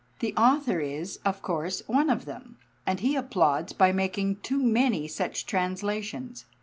The author is, of course, one of them, and he applauds by making too many such translations.